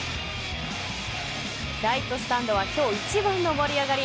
ライトスタンドは今日一番の盛り上がり。